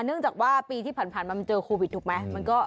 เนื่องจากว่าปีที่ผ่านมามันเจอโควิดถูกไหม